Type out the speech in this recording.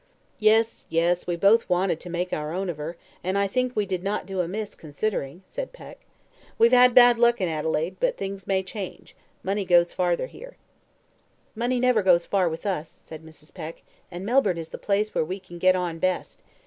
"Yes, yes; we both wanted to make our own of her, and I think we did not do amiss, considering," said Peck. "We've had bad luck in Adelaide, but things may change money goes farther here." "Money never goes far with us," said Mrs. Peck, "and Melbourne is the place where we can get on best.